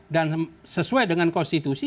dan sesuai dengan konstitusi